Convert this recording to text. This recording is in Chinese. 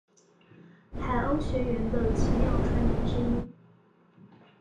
海鸥学园的奇妙传言之一。